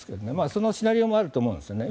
そのシナリオもあると思うんです。